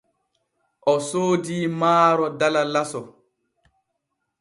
O soodii maaro dala laso.